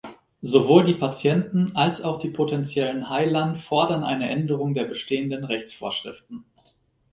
Sowohl die Patienten als auch die potentiellen Heilern fordern eine Änderung der bestehenden Rechtsvorschriften.